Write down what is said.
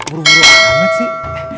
buru buru banget sih